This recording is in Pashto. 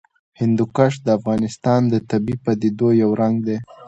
هندوکش د افغانستان د طبیعي پدیدو یو رنګ دی.